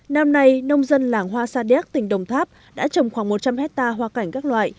năm nay nông dân làng hoa sa đéc tỉnh đồng tháp đã trồng khoảng một trăm linh hectare hoa cảnh các loại